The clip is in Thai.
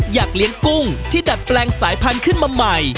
อยากเลี้ยงกุ้งที่ดัดแปลงสายพันธุ์ขึ้นมาใหม่